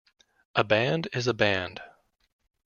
A band is a band.